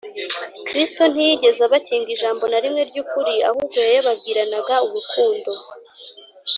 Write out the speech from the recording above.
” kristo ntiyigeze abakinga ijambo na rimwe ry’ukuri, ahubwo yayababwiranaga urukundo